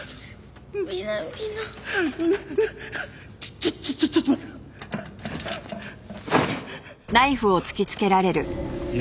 ちょっちょっちょっちょっと待ってろ。